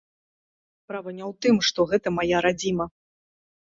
Справа не ў тым, што гэта мая радзіма.